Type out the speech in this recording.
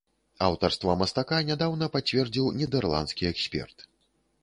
Аўтарства мастака нядаўна пацвердзіў нідэрландскі эксперт.